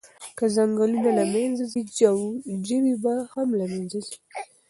که ځنګلونه له منځه ځي، ژوي هم له منځه ځي.